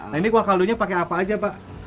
nah ini kuah kaldunya pakai apa aja pak